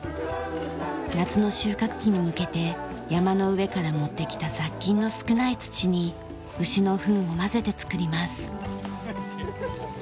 夏の収穫期に向けて山の上から持ってきた雑菌の少ない土に牛のふんを混ぜて作ります。